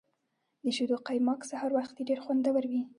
د شیدو قیماق سهار وختي ډیر خوندور وي.